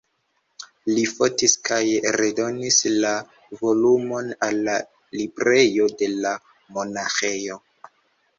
Li fotis kaj redonis la volumon al la librejo de la monaĥejo.